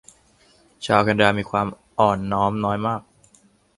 ชาวแคนาดามีความอ่อนน้อมน้อยมาก